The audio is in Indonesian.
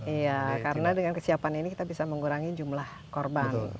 iya karena dengan kesiapan ini kita bisa mengurangi jumlah korban